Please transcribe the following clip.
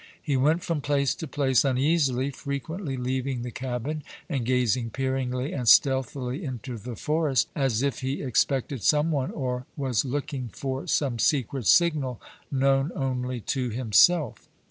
He went from place to place uneasily, frequently leaving the cabin and gazing peeringly and stealthily into the forest as if he expected some one or was looking for some secret signal known only to himself.